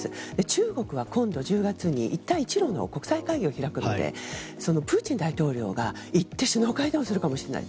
中国は今度の１０月に一帯一路の国際会議を開くのでプーチン大統領が行って首脳会談をするかもしれない。